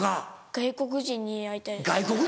外国人に会いたい？